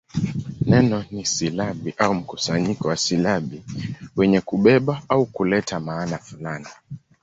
Neno ni silabi au mkusanyo wa silabi wenye kubeba au kuleta maana fulani.